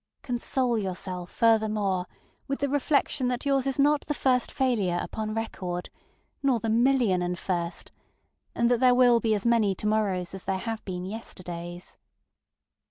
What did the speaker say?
Console yourself, furthermore, with the reflection that yours is not the first failure upon record, nor the million and first, and that there will be as many to morrows as there have been yesterdays.